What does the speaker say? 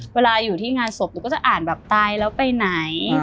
เวลาอยู่ที่งานศพหนูก็จะอ่านแบบตายแล้วไปไหน